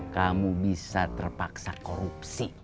kamu bisa terpaksa korupsi